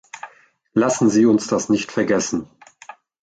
Lassen Sie uns das nicht vergessen!